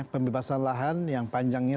pembebasan lahan yang panjangnya